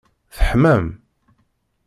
Teḥmam?